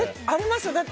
ありますよ。